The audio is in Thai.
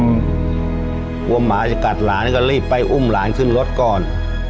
หมาจะกัดหลานก็รีบไปอุ้มหลานขึ้นรถก่อน